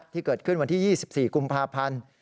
ที่เกิดขึ้นวันที่๒๔กุมภาพันธ์